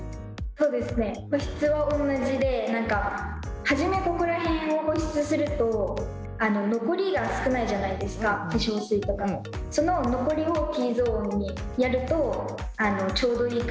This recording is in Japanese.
そうですね保湿は同じで初めここら辺を保湿すると残りが少ないじゃないですか化粧水とかのその残りをＴゾーンにやるとちょうどいい感じに保湿されるので。